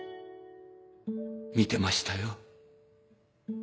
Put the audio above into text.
見てましたよ。